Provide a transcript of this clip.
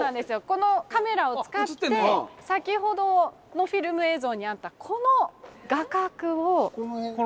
このカメラを使って先ほどのフィルム映像にあったこの画角を探して頂きますね。